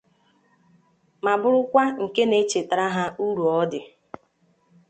ma bụrụkwa nke na-echetara ha uru ọ dị